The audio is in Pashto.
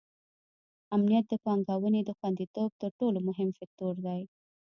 امنیت د پانګونې د خونديتوب تر ټولو مهم فکتور دی.